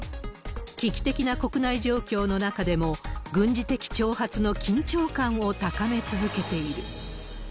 危機的な国内状況の中でも、軍事的挑発の緊張感を高め続けている。